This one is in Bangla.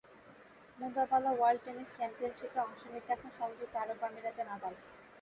মুবাদালা ওয়ার্ল্ড টেনিস চ্যাম্পিয়নশিপে অংশ নিতে এখন সংযুক্ত আরব আমিরাতে নাদাল।